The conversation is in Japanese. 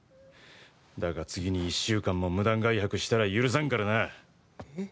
だが、次に１週間も無断外泊したら許さんからな。